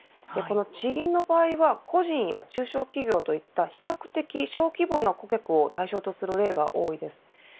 地銀の場合は個人や中小企業といった比較的小規模な顧客を対象とする例が多いです。